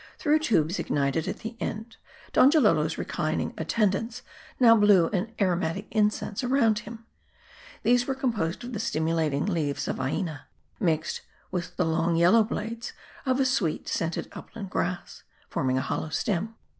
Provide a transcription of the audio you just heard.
Through tubes ignited at the end, Donjalolo's reclining attendants now blew an aromatic incense around him. These were composed of the stimulating leaves of the " Aina," mixed with the long yellow blades of a sweet scented upland grass ; forming a hollow stem.